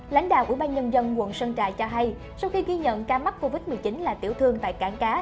lãnh đạo ủy ban nhân dân quận sơn trà cho hay sau khi ghi nhận ca mắc covid một mươi chín là tiểu thương tại cảng cá